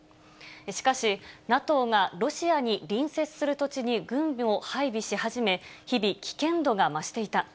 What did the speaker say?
しかし、ＮＡＴＯがロシアに隣接する土地に軍を配備し始め、日々、危険度が増していた。